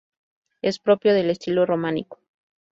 Es propio del estilo Románico.